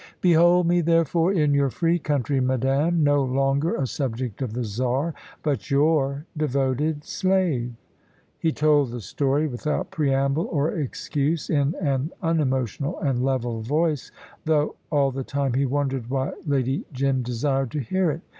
Behold me, therefore, in your free country, madame, no longer a subject of the Czar, but your devoted slave." He told the story, without preamble or excuse, in an unemotional and level voice, though all the time he wondered why Lady Jim desired to hear it.